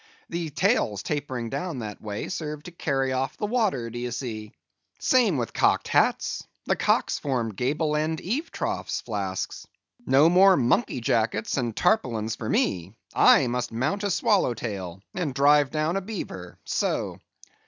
The tails tapering down that way, serve to carry off the water, d'ye see. Same with cocked hats; the cocks form gable end eave troughs, Flask. No more monkey jackets and tarpaulins for me; I must mount a swallow tail, and drive down a beaver; so.